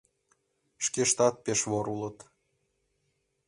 Шкештат пеш вор улыт.